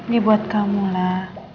ya buat kamu lah